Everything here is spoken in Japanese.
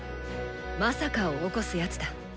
「まさか」を起こすやつだ。